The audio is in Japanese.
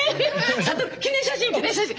悟記念写真記念写真！